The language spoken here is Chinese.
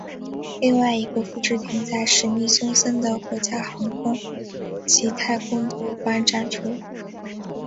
另外一个复制品在史密松森的国家航空暨太空博物馆展出。